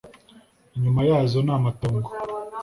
inyuma yazo ni amatongo.”